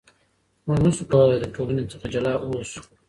موږ نشو کولای له ټولنې څخه جلا اوسو.